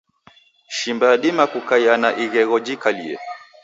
Shimba yadima kukaia na ighegho jikalie.